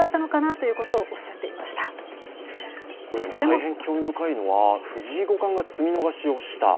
大変興味深いのは、藤井五冠が詰み逃しをした。